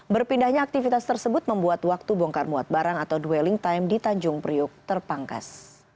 berpindahnya aktivitas tersebut membuat waktu bongkar muat barang atau dwelling time di tanjung priuk terpangkas